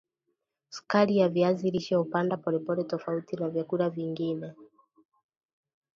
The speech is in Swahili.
sukari ya viazi lishe hupanda polepole tofauti na vyakula vingine